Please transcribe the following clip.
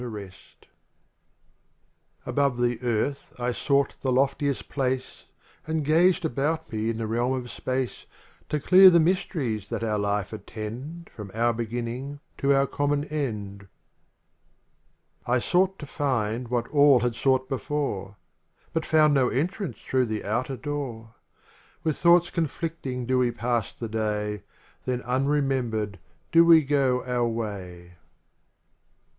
JS4 xxvm xxsx Original from UNIVERSITY OF MICHIGAN 19 XXXI Above the earth I sought the loftiest place And gazed about me in the realm of space To dear the myst'ries that our lives attend From our beginning to our common end. I sought to find what all had sought before, But found no entrance through the outer door, With thoughts conflicting do we pass the day, Then unremembered do we go our way.